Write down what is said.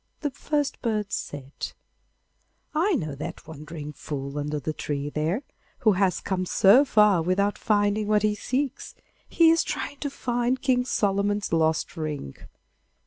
The first bird said: 'I know that wandering fool under the tree there, who has come so far without finding what he seeks. He is trying to find King Solomon's lost ring.